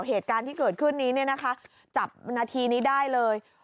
เหตุการณ์ที่เกิดขึ้นนี้เนี่ยนะคะจับนาทีนี้ได้เลย